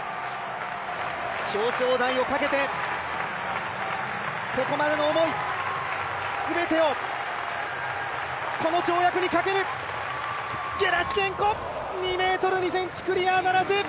表彰台をかけてここまでの思い全てをこの跳躍にかけるゲラシュチェンコ、２ｍ２ｃｍクリアならず。